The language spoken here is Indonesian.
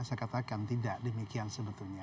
saya katakan tidak demikian sebetulnya